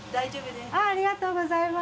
ありがとうございます。